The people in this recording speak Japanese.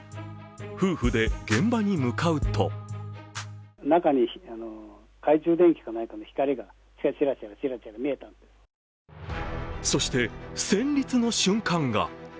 夫婦で現場に向かうとそして、戦慄の瞬間が。